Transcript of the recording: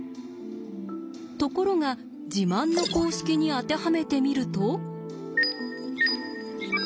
ところが自慢の公式に当てはめてみると。